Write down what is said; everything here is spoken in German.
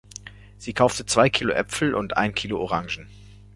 Sie kaufte zwei Kilo Äpfel und ein Kilo Orangen.